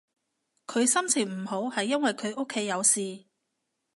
佢心情唔好係因為佢屋企有事